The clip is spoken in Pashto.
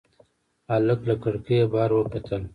هلک له کړکۍ بهر وکتل.